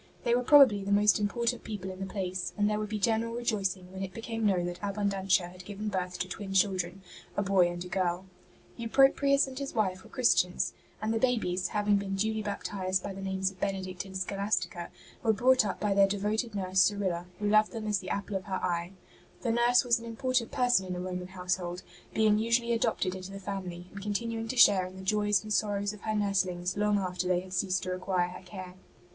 They were probably the most im portant people in the place, and there would be general rejoicing when it became known that Abundantia had given birth to twin children, a boy and a girl. Eupropius and his wife were Christians, and the babies, having been duly baptized by the names of Benedict and Scholastica, were brought up by their devoted nurse Cyrilla, who loved them as the apple of her eye. The 22 ST. BENEDICT 23 nurse was an important person in a Roman household, being usually adopted into the family, and continuing to share in the joys and sorrows of her nurslings long after they had ceased to require her care.